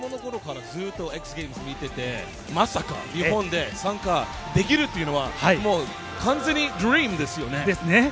子供の頃からずっとＸＧａｍｅｓに見てて、まさか日本で参加できるっていうのは、完全にドリームですよね。